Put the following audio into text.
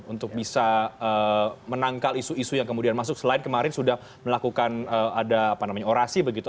untuk bisa menangkal isu isu yang kemudian masuk selain kemarin sudah melakukan ada orasi begitu